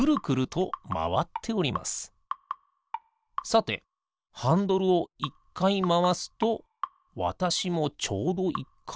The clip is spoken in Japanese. さてハンドルを１かいまわすとわたしもちょうど１かいまわる。